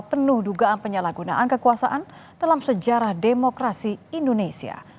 penuh dugaan penyalahgunaan kekuasaan dalam sejarah demokrasi indonesia